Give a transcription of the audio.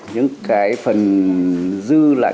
những cái phần dư lại